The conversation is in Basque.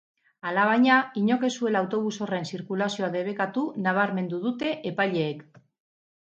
Alabaina, inork ez zuela autobus horren zirkulazioa debekatu nabarmendu dute epaileek.